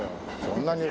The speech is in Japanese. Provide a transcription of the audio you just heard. そんなに。